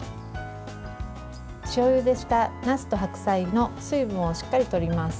塩ゆでしたなすと白菜の水分をしっかり取ります。